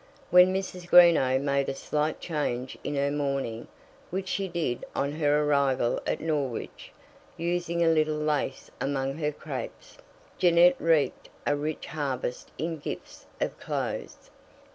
When Mrs. Greenow made a slight change in her mourning, which she did on her arrival at Norwich, using a little lace among her crapes, Jeannette reaped a rich harvest in gifts of clothes.